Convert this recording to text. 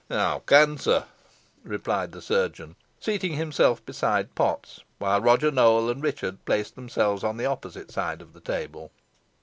"I can, sir," replied the chirurgeon, seating himself beside Potts, while Roger Nowell and Richard placed themselves on the opposite side of the table.